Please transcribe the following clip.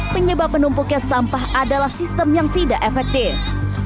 penyebab penumpuknya sampah adalah sistem yang tidak efektif